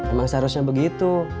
emang seharusnya begitu